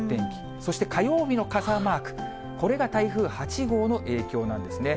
そして火曜日の傘マーク、これが台風８号の影響なんですね。